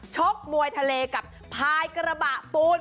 ชกมวยทะเลกับพายกระบะปูน